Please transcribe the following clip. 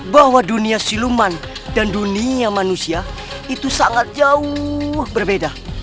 bahwa dunia siluman dan dunia manusia itu sangat jauh berbeda